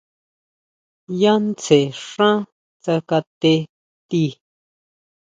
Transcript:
Yá tsjen xá tsakate tii.